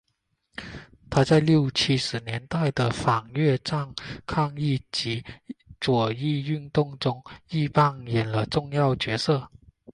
他在六七十年代的反越战抗议及左翼运动中亦扮演了重要角色。